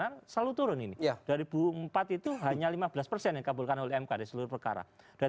karena selalu turun ini dua ribu empat itu hanya lima belas persen yang dikabulkan oleh mk dari seluruh perkara